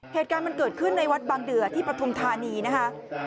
เหตุการณ์มันเกิดขึ้นในวัดบางเดือที่ปฐุมธานีนะคะ